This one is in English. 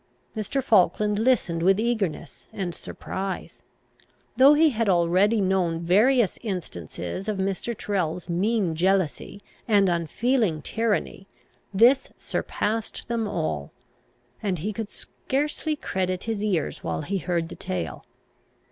Mr. Falkland listened with eagerness and surprise. Though he had already known various instances of Mr. Tyrrel's mean jealousy and unfeeling tyranny, this surpassed them all; and he could scarcely credit his ears while he heard the tale.